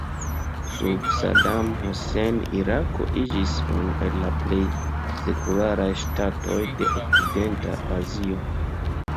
Sub Saddam Hussein Irako iĝis unu el la plej sekularaj ŝtatoj de okcidenta Azio.